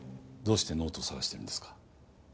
どうしてノートを捜してるんですか？